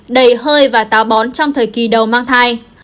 đầy hơi và táo bón trong thời kỳ đầu mang thai